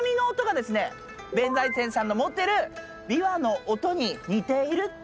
弁財天さんの持ってる琵琶の音に似ている。